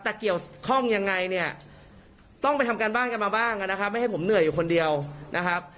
แต่เกี่ยวข้องยังไงเนี่ยต้องไปทำการบ้านกันมาบ้างนะครับไม่ให้ผมเหนื่อยอยู่คนเดียวนะครับ